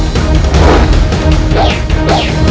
jangan mencari mati